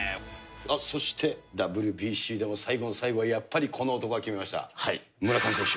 そして、ＷＢＣでも、最後の最後、やっぱりこの男が決めました、村上選手。